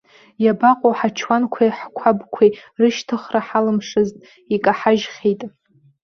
Иабаҟоу ҳачуанқәеи ҳқәабқәеи, рышьҭыхра ҳалымшазт, икаҳажьхьеит!